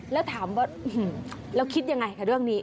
แล้วถามว่าแล้วคิดยังไงกับเรื่องนี้